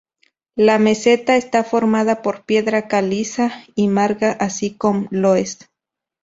La meseta está formada por piedra caliza y marga, así com loess.